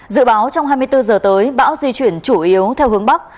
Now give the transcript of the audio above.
dự báo trong hai mươi bốn giờ tới bão di chuyển chủ yếu theo hướng bắc